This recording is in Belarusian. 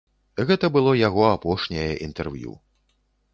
Гэта было яго апошняе інтэрв'ю.